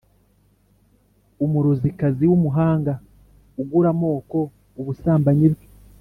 umurozikazi w’umuhanga ugura amoko ubusambanyi bwe